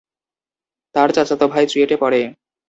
তার চাচাতো ভাই চুয়েটে পড়ে।